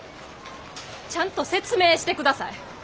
ちゃんと説明してください。